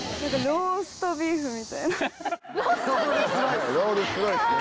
ローストビーフかわいい。